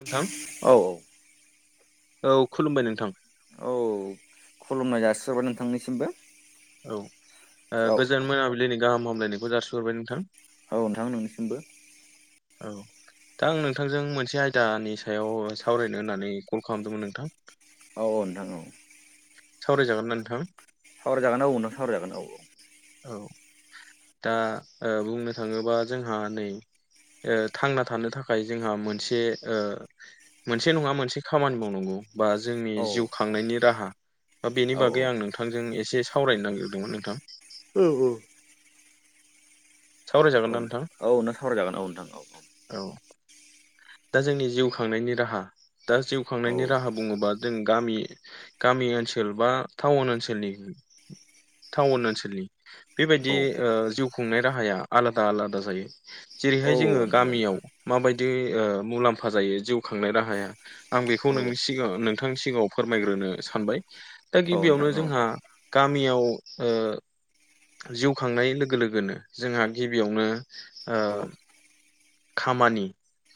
नोंथां औ औ खुलुमबाय नोंथां। औ खुलुमनाय जासिह'रबाय नोंथांनिसिमबो। औ गोजोन मोनाबिलिनि गाहाम हामलायनायखौ जासिह'रबाय नोंथां। औ नोंथां नोंनिसिमबो औ दा आं नोंथांजों मोनसे आयदानि सायाव सावरायनो होननानै कल खालामदोंमोन नोंथां। औ औ नोंथां औ सावरायजागोन ना नोंथां सावराय जागोन औ नों सावराय जागोन औ औ दा बुंनो थाङोबा जोंहा नै थांना थानो थाखाय जोंहा मोनसे मोनसे नङा मोनसे खामानि मावनांगौ बा जोंनि औ जिउ खांनायनि राहा बा बेनि औ बागै आं नोंथां नोंथांजों एसे सावरायनो नागिरदोंमोन नोंथां। औ औ औ सावरायजागोन ना नोंथां? औ नों सावराय जागोन औ नोंथां औ औ दा जोंनि जिउ खांनायनि राहा दा जिउ खांनायनि राहा बुङोबा जों गामि गामि ओनसोल बा टाउन ओनसोलनि टाउन ओनसोलनि औ बेबायदि जिउ खुंनाय राहाया आलादा आलादा जायो। औ जेरैहाय जोङो नोंथां गामियाव माबायदि मुलाम्फा जायो जिउ खांनाय राहाया। आं बेखौ औ नोंनि सिगाङाव नोंथांनि सिगाङाव फोरमायग्रोनो सानबाय दा औ नोंथां औ गिबियावनो जोंहा औ गामियाव ओ जिउ खांनाय लोगो लोगोनो जोंहा गिबियावनो ओ औ खामानि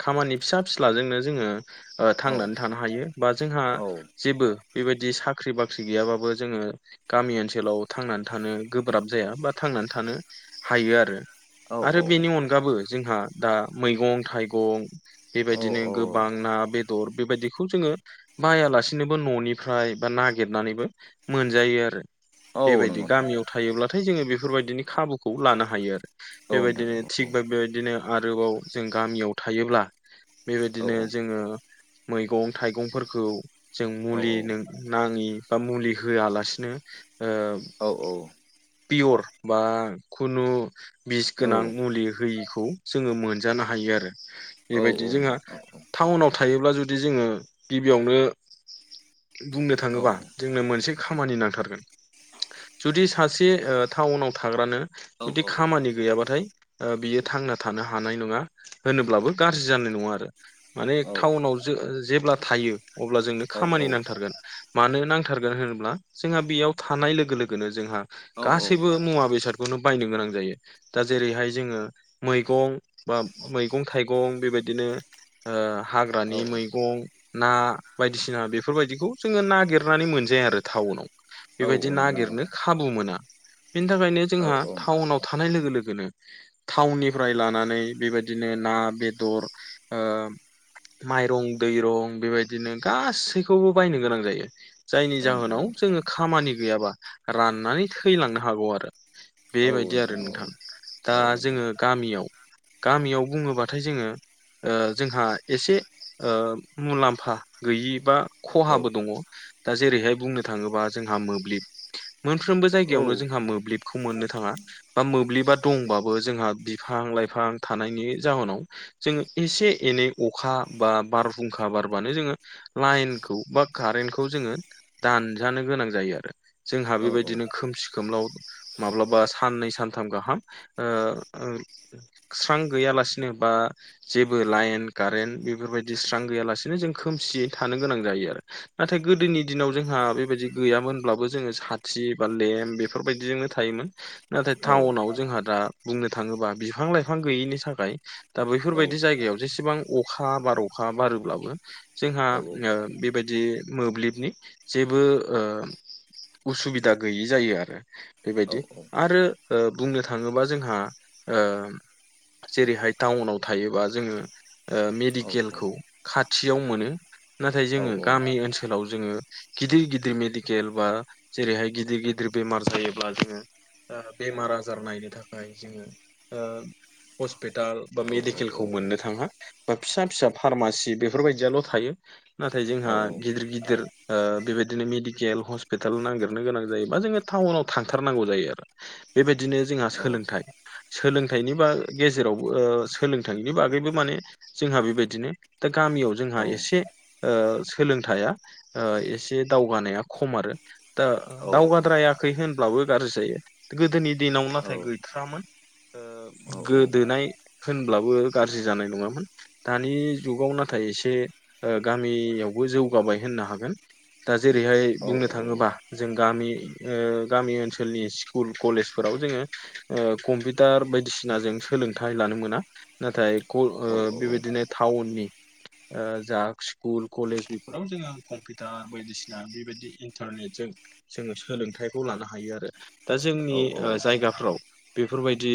खामानि फिसा फिस्लाजोंनो जोङो थांनानै थानो हायो बा जोंहा जेबो बेबायदि साख्रि- बाख्रि गैयाबाबो जोङो गामि ओनसोलाव थांनानै थानो गोब्राब जाया बा थांनानै थानो हायो आरो औ आरो बेनि अनगाबो जोंहा दा मैगं-थाइगं बेबायदिनो औ गोबां ना बेदर बेबायदिखौ जोङो बायालासिनोबो न'निफ्राय बा नागिरनानैबो मोनजायो आरो औ बेबायदि नंगौ नोंथां गामियाव थायोब्लाथाय जोङो बेफोरबायदिनो खाबुखौ लानो हायो आरो औ बेबायदिनो नोंथां थिग बेबायदिनो आरोबाव जों गामियाव थायोब्ला औ बेबायदिनो जोङो मैगं-थाइगंफोरखौ जों औ मुलि नों नाङि बा मुलि होआलासिनो ओ औ पियर बा खुनु बिस गोनां मुलि होयिखौ जोङो मोनजानो हायो आरो। एबायदि जोंहा नोंथां औ औ टाउनाव थायोब्ला जुदि जोङो गिबियावनो बुंनो थाङोबा जोंनो मोनसे खामानि नांथारगोन। जुदि सासे ओ टाउनाव थाग्रानो जुदि खामानि गैयाबाथाय ओ बियो थांना थानो हानाय नङा होनोब्लाबो गाज्रि जानाय नङा आरो। माने औ टाउनाव जो जेब्ला थायो अब्ला जोंनो खामानि नांथारगोन। मानो नांथारगोन होनोब्ला जोंहा बेयाव थानाय लोगो लोगोनो जोंहा औ गासैबो मुवा बेसादखौनो बायनो गोनां जायो। दा जेरैहाय जोङो मैगं बा मैगं थाइगं बेबायदिनो ओ औ हाग्रानि मैगं ना बायदिसिना बेफोरबायदिखौ जोङो नागिरनानै मोनजाया आरो टाउनाव। औ बेबायदि नंगौ नागेरनो खाबु मोना। बेनि थाखायनो औ जोंहा औ टाउनाव थानाय लोगो लोगोनो टाउननि फ्राय लानानै बेबायदिनो ना बेदर ओ माइरं दैरं बेबायदिनो गासैखौबो बायनो गोनां जायो। जायनि औ नोंथां जाहोनाव औ जोङो खामानि गैयाबा राननानै थैलांनो हागौ आरो। औ बेबायदि आरो औ नोंथां औ दा नोंथां जोङो गामियाव गामियाव बुङोब्लाथाय जोङो ओ जोंहा एसे ओ मुलाम्फा गैयि बा औ खहाबो दङ'। दा जेरैहाय बुंनो थाङोबा जोंहा मोब्लिब। मोनफ्रोमबो जायगायावनो जोंहा मोब्लिबखौ मोननो थाङा बा मोब्लिबा दंबाबो जोंहा बिफां लाइफां थानायनि जाउनाव जोङो एसे एनै अखा बा बारहुंखा बारबानो जोङो लाइनखौ बा कारेन्टखौ जोङो दानजानो गोनां जायो आरो। जोंहा औ बेबायदिनो खोमसि खोमलाव माब्लाबा साननै सानथाम गाहाम ओ ओ स्रां गैयालासिनो बा जेबो लाइन कारेन्ट बेफोरबायदि स्रां गैयालासिनो जों खोमसियै थानो गोनां जायो आरो। नाथाय गोदोनि दिनाव जोंहा बेबायदि गैयामोनब्लाबो जोङो साथि बा लेम्प बेफोरबायदिजोंनो थायोमोन। नाथाय औ टाउनाव जोंहा दा बुंनो थाङोबा बिफां लाइफां गैयैनि थाखाय दा बैफोरबायदि औ जायगायाव जेसेबां अखा बार अखा बारोब्लाबो जोंहा औ ओ बेबायदि मोब्लिबनि जेबो ओ उसुबिदा गैयि जायो आरो। बेबायदि आरो ओ बुंनो थाङोबा जोंहा ओ जेरैहाय टाउनाव थायोबा जोङो ओ मेडिकेलखौ खाथियाव मोनो। नाथाय जोङो गामि ओनसोलाव जोङो गिदिर गिदिर मेडिकेल बा जेरैहाय गिदिर गिदिर बेमार जायोब्ला जोङो ओ बेमार आजार नायनो थाखाय जोङो ओ हस्पिटाल बा मेडिकेलखौ मोननो थाङा। बा फिसा फिसा फारमासि बेफोरबायदियाल' थायो। नाथाय जोंहा गिदिर गिदिर ओ बेबायदिनो मेडिकेल हस्पिटाल नागिरनो गोनां जायो। बा जोङो टाउनाव थांथारनांगौ जायो आरो। बेबायदिनो जोंहा सोलोंथाइ। सोलोंथाइनि बा गेजेरावबो ओ सोलोंथाइनि बागैबो माने जोंहा बेबायदिनो दा गामियाव जोंहा एसे ओ सोलोंथाया ओ एसे दावगानाया खम आरो। दा औ उम औ उम औ नोंथां औ औ दावगाद्रायाखै होनब्लाबो गाज्रि जायो। गोदोनि दिनाव नाथाय गैथारामोन। ओ गोदोनाय होनब्लाबो गाज्रि जानाय नङामोन। दानि जुगाव नाथाय एसे ओ गामियावबो जौगाबाय होननो हागोन। दा जेरैहाय बुंनो थाङोबा जों गामि ओ गामि ओनसोलनि स्कुल कलेजफोराव जोङो ओ कमपि टार बायदिसिना जों सोलोंथाइ लानो मोना नाथाय ग बेबायदिनो टाउननि ओ जा स्कुल कलेज बेफोराव जोङो कम्पिउटार बायदिसिना बेबायदि इन्टारनेटजों जोङो सोलोंथाइखौ लानो हायो आरो दा जोंनि ओ जायगाफ्राव बेफोरबाय दि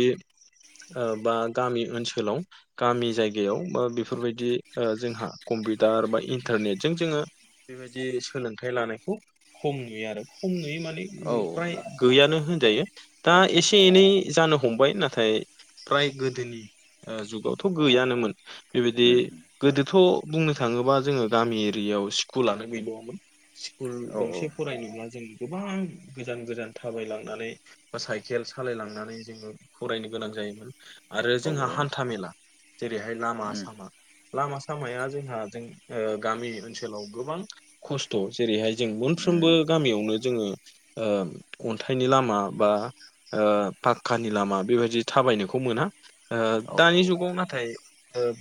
बा गामि ओनसोलाव गामि जायगायाव बा बेफोरबायदि ओ जोंहा कम्पिउटार बा इन्टारनेटजों जोङो बेबायदि सोलोंथाइ लानायखौ खम नुयो आरो खम नुयो माने गैयानो होनजायो दा एसे एनै जानो हमबाय नाथाय फ्राय गोदोनि ओ जुगावथ' गैयानोमोन बेबायदि गोदोथ' बुंनो थाङोबा जोङो गामि एरियायाव स्कुलानो गैबावामोन। स्कुल गंसे फरायनोब्ला जों गोबां गोजान गोजान थाबायलांनानै बा साइकेल सालायलांनानै जोङो फरायनो गोनां जायोमोन आरो जोंहा हान्था मेला जेरैहाय लामा-सामा लामा-सामाया जोंहा जों गामि ओनसोलाव गोबां खस्थ' जेरैहाय जों मोनफ्रोमबो गामियावनो जोङो ओ अन्थाइनि लामा बा पाखा नि लामा बेबायदि थाबायनोखौ मोना ओ दानि जुगाव नाथाय ओ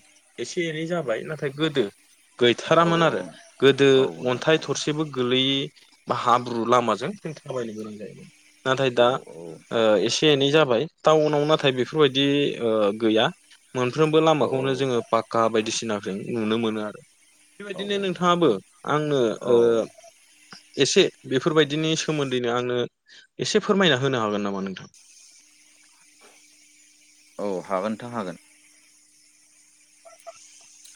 एसे एनै जाबाय नाथाय गोदो गैथारामोन आरो गोदो अन्थाइ थरसेबो गोलैयै बा हाब्रु लामाजों जों थाबायनो गोनां जायो। नाथाय दा ओ एसे एनै जाबाय टाउनाव नाथाय बेफोरबायदि ओ गैया। मोनफ्रोमबो लामाखौनो जोङो पाक्का बायदिसिनाफोर नुनो मोनो आरो बेबायदिनो नोंथाङाबो आंनो ओ एसे बेफोरबायदिनि सोमोन्दैनो आंनो एसे फोरमायना होनो हागोन नामा नोंथां? औ हागोन नोंथां हागोन।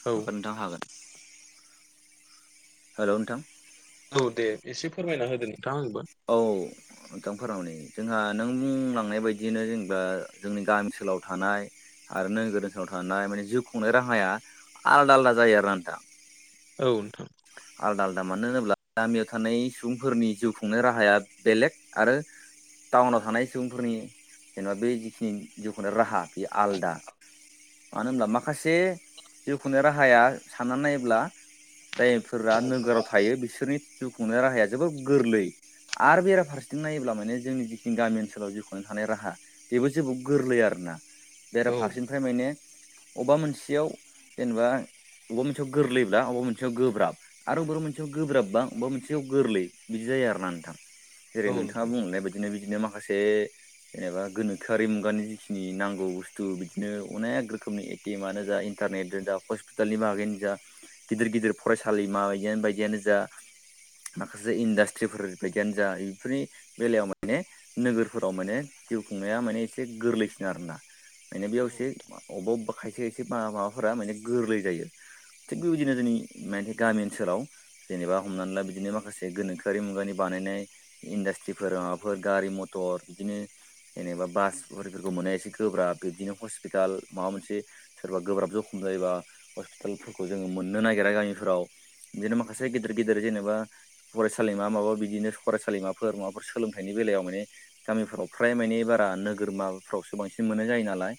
औ हागोन नोंथां हागोन। हेल' नोंथां औ दे एसे फोरमायना होदो नोंथां आंबो औ [unintelligible] जोंहा नों बुंलांनाय बायदियैनो जेनेबा जोंनि गामि ओनसोलाव थानाय आरो नोगोर ओनसोलाव थानाय माने जिउ खुंनाय राहाया आलादा आलादा जायो आरो नोंथां। औ नोंथां। आलदा आलदा मानो होनोब्ला गामियाव थानाय सुबुंफोरनि जिउ खुंनाय राहाया बेलेग आरो टाउनाव थानाय सुबुंफोरनि जेनेबा बे जिखिनि जिउखौनो राहा बेयो आलादा मानो होनब्ला माखासे जिउखुंनाय राहाया साननानै नायोब्ला जाय फोरा नोगोराव थायो बिसोरनि जिउ खुंनाय राहाया जोबोर गोरलै आरो बेराफारसेथिं नायोब्ला माने जोंनि जिखिनि गामि ओनसोलाव जिउखांनो थानाय राहा बेबो जोबोद गोरलै आरोना औ बेराफारसेनिफ्राय माने अबेबा मोनसेयाव जेनेबा अबेबा मोनसेयाव गोरलैब्ला अबेबा मोनसेयाव गोब्राब आरो बबा मोनसेयाव गोब्राबबा बबेबा मोनसेयाव गोरलै बिदि जायो आरोना नोंथां। जेरै औ नोंथाङा नोंथां बुंनाय बदिनो बिदिनो माखासे जेनेबा गोनोखोआरि मुगानि जिखिनि नांगौ बुस्थु बिदिनो अनेक रोखोमनि टिमानो जा इन्टारनेट जा हस्पिटालनि बागैनो जा गदिर गिदिर फरायसा सालिमा बायदिमा बायदियानो जा माखासे इन्डास्ट्रिफोर बायदियानो जा बेफोरनि बेलायाव माने नोगोरफोराव माने जिउ खुंनाया माने एसे गोरलैसिन आरोना माने बेयाव औ एसे अबेबा अबा खसे खायसे माबाफोरा माने गोरलै जायो थिग बेबायदिनो जोंनि गामि ओनसोलाव जेनेबा हमनानै ला बिदिनो माखासे गोनोखोआरि मुगानि बानायनाय इन्डासट्रिफोर माबाफोर गारि मथर बिदिनो जेनेबा बासिफोरखौ मोना एसे गोब्राब बिबदिनो हस्पिटाल माबा मोनसे सोरबा गोब्राब जखम जायोबा हस्पिटालफोरखौ जोङो मोननो नागिरा गामिफोराव बिदिनो मासे गिदिर गिदिर जेनेबा फरायसालिमा माबा बिदिनो फरायसालिमाफोर माबाफोर सोलोंथाइनि बेलायाव माने गामिफोराव फ्राय माने बारा नोगोर माबाफ्रावसो बांसिन मोननाय जायो नालाय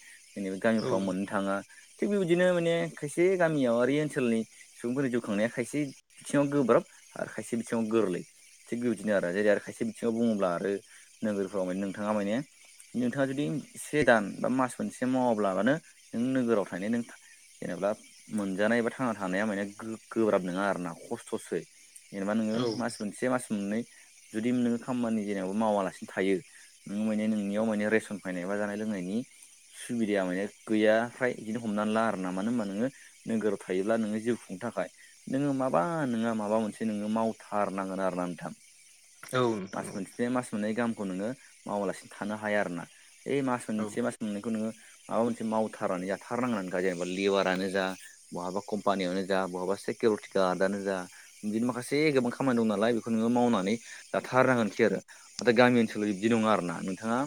औ नोंथां औ गामिफ्राव मोननो थाङा थिग बेबायदिनो माने खायसे गामियावि ओनसोलनि सुबुंफोरनि जु बोखांनाया खायसे बिथिङाव गोब्राब आरो खायसे बिथिङाव गोरलै थिग बेबायदिनो आरो जेरै आरो खायसे बिथिङाव बुङोब्ला आरो नोगोरफोराव माने नोंथाङा माने नोंथाङा जुदि से दान बा मास मोनसे मावाब्लाबानो नों नोगोराव थाहैनो जेनेबा मोनजानाय एबा थांना थानाया माने गो गोब्राब नङा आरोना खस्थ'सो जेनेबा नोङो मास मोनसे मास मोननै जुदि नोङो खामानि जेनेबा मावालासिनो थायो ननोङो माने नोंनियाव माने रेसन फायनाय बा जानाय लोंनायनि सुबिदाया माने गैया फ्राय बिदिनो हमनानै ला आरोना मानो होनबा नोङो नोगोराव थायोब्ला नोङो जिउ खुंनो थाखाय नोङो माबा नङा माबा मोनसे नोङो मावथारनांगोन आरोना नोंथां औ मास मोनसे बे मास मोननै गामखौ नोङो मावालासिनो थानो हाया आरोना ऐ मास मोनसे मास मोननायखौ नोङो माबा मोनसे मावथारनानै जाथार नांगोनानोखा जेनेबा लेबारानो जा बहाबा कम्पानियावानो जा बहाबा सिकिउरिटि गार्डआनो जा बिदिनो माखासे गोबां खामानि दं नालाय बेखौ नोङो मावनानै जाथारनांगोनखि आरो नाथाय गामि ओनसोलाव बिब्दि नङा आरोना नोंथाङा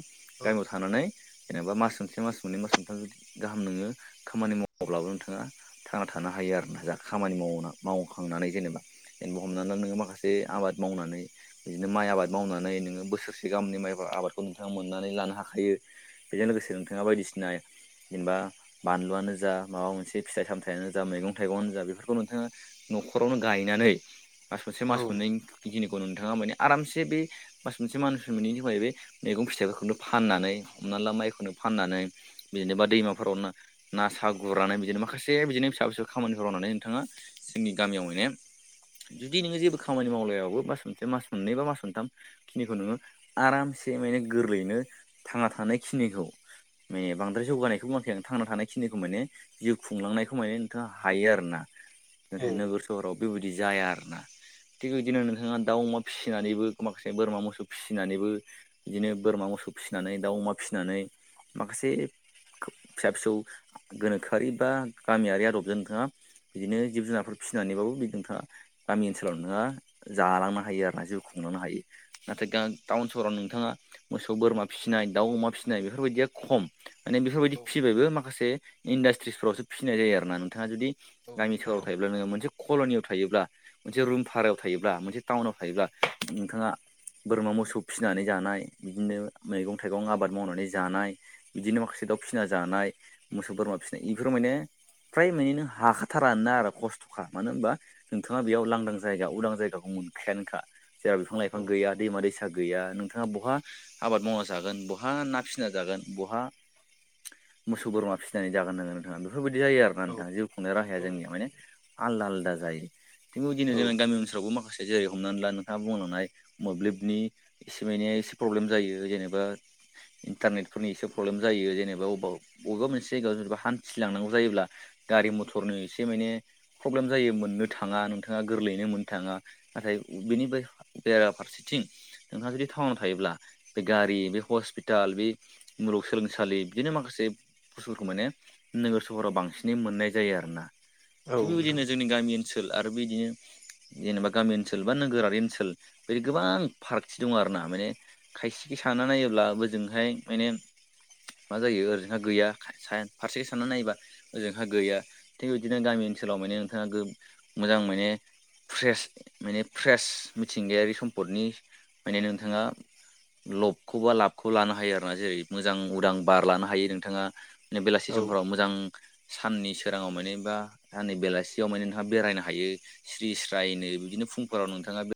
गामियाव थानानै जेनेबा मास मोनसे मास मोननै मास मोनथाम जुदि गाहाम नोङो खामानि मावाब्लाबो नोंथाङा थांना थानो हायो आरो ना जा खामानि माव मावखांनानै जेनेबा जेनेबा हमनानै नोङो माखासे आबाद मावनानै बिदिनो माइ आबाद मावनानै नोङो बोसोरसे गामोननि माइ आबादखौ नोंथाङा मोननानै लानो हाखायो बेजों लोगोसे नोंथाङा बायदिसिना जेनेबा बानलुआनो जा माबा मोनसे फिथाइ सामथाइयानो जा मैगं थाइगंनो जा बेफोरखौ नोंथाङा न'खरावनो गायनानै मास मोनसे मास मोननैखिनिखौ नोंथाङा माने आरामसे बे मास मोनसे मानसिफोर मोनैनि थाखाय बे मैगं फिथाइफोरखौनो फाननानै हमना ला माइखौनो फाननानै बिनोबा दैमाफोरावनो ना सा गुरनानै बिदिनो माखासे बिदिनो फिसा फिसौ खामानिखौनानै नोंथाङा जोंनि गामियाव माने जुदि नोङो जेबो खामानि मावलबो मास मोनसे मास मोननै बा मास मोनथाम खिनिखौ नोङो आरामसे माने गोरलैयैनो थांना थानायखिनिखौ माने बांद्राय जौानायखौबोखै आं थांना थानायखिनिखौ माने जिउ खुंलांनायखौ माने नोंथाङा हायो आरो ना नाथाय नोगोर सहराव बेबायदि जाया आरोना थिग बिदिनो नोंथाङा दाउ अमा फिसिनानैबो माखासे बोरमा मोसौ फिसिनानैबो बिदिनो बोरमा मोसौ फिसिनानै दाउ अमा फिसिनानै माखासे फिसा फिसौ गोनोखोआरि बा गामियारि आदबजों नोंथाङा बिदिनो जिब जुनारफोर फिनानैबाबो बिदिफ्रा गामि ओनसोलाव नोङो जालांनो हायो आर ना जिउ खुंलांनो हायो नाथाय टाउन सहराव नोंथाङा मोसौ बोरमा फिसिनाय दाउ अमा फिसिनाय बेफोरबायदिया खम माने बेफोरबायदि फिसिबायबो माखासे इन्डासट्रिसफोरावसो फिसिनाय जायो आरो ना नोंथाङा जुदि गामि सहराव थायोब्ला नोङो मोन मोनसे कल'नियाव थायोब्ला मोनसे रुम भारायाव थायोब्ला मोनसे टाउनाव थायोब्ला नोंथाङा बोरमा मोसौ फिसिनानै जानाय बिदिनो मैगं थाइगं आबाद मावनानै जानाय बिदिनो माखासे दाउ फिसिना जानाय मोसौ बोरमा फिसिनाय बेफोराव माने फ्राय माने नों हाखाथारानोना आरो खस्थ'खा मानो होनबा नोंथाङा बेयाव लांदां जायगा उदां जायगाखौ मोनखायानोखा जेराव बिफां लाइफां गैया दैमा दैसा गैया नोंथाङा बहा आबाद मावना जागोन बहा ना फिसिना जागोन बहा मोसौ बोरमा फिसिनानै जागोन नोंङो नोंथाङा बेफोरबायदि जायो आरोना नोंथाङा जिउ खुंनाय राहाया जोंनिया माने आलदा आलदा जायो थेवबो बिदिनो औ जोंनि गामि ओनसोलावबो माखासे जेरै हमनानै ला नोंथाङा बुंलांनाय मोब्लिबनि एसे माने एसे प्रब्लेम जायो जेनेबा इन्टारनेटफोरनि एसे प्रब्लेम जायो जेनेबा अबेबा अबेबा मोनसे जायगायाव जेनेबा हान्थिलांनांगौ जायोब्ला गारि मथरनो एसे माने प्रब्लेम जायो मोननो थाङा नोंथाङा गोरलैयैनो मोननो थाङा नाथाय बेनिफ्राय बेराफारसेथिं नोंहा जुदि टाउनाव थायोब्ला बे गारि बे हस्पिटाल बे मुलुगसोलोंसालि बिदिनो माखासे बुसथुफोरखौ माने नोगोर सहराव बांसिनै मोननाय जायो आरोना औ थिग नोंथां बेबायदिनो जोंनि गामि ओनसोल आरो बेदिनो जेनेबा गामि ओनसोल बा नोगोरारि ओनसोल बिदि गोबां फारागथि दङ आरोना माने खायसे साना नायोब्ला बोजोंहाय माने मा जायो ओजोंहा गैया खा सायर फारसे साननानै नायोबा ओजोंहा गैया थिग बिदिनो गामि ओनसोलाव माने नोंथाङा गो मोजां माने फ्रेस माने फ्रेस मिथिंगायारि सम्पदनि माने नोंथाङा लबखौबा लाबखौ लानो हायो आरोना जेरै मोजां उदां बार लानो हायो नोंथाङा। ने बेलासि औ समफोराव मोजां साननि सोराङाव मानिबा दा नै बेलासियाव माने नोंथहा बेरायनो हायो स्रि स्रायनो बिदिनो फुंफोराव नोंथाङा बे